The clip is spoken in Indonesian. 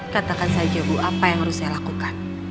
katakan saja bu apa yang harus saya lakukan